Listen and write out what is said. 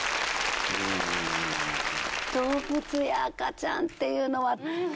動物や赤ちゃんっていうのは。